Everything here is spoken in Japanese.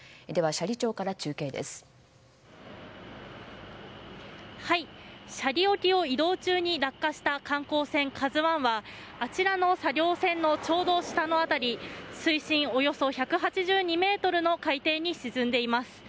斜里沖を移動中に落下した観光船「ＫＡＺＵ１」はあちらの作業船のちょうど下の辺り水深およそ１８２ｍの海底に沈んでいます。